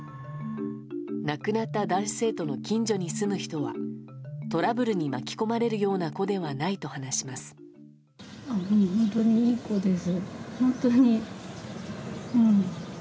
亡くなった男子生徒の近所に住む人はトラブルに巻き込まれるような子ではないと話します。